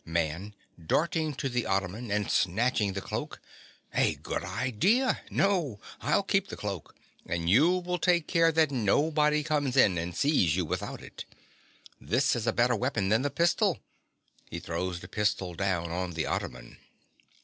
MAN. (darting to the ottoman and snatching the cloak). A good idea. No: I'll keep the cloak: and you will take care that nobody comes in and sees you without it. This is a better weapon than the pistol. (_He throws the pistol down on the ottoman.